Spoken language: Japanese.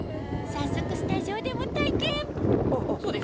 早速スタジオでも体験おっ。